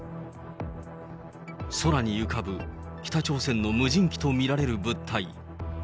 空に浮かぶ北朝鮮の無人機と見られる物体。